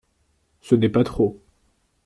Ce n'est pas trop.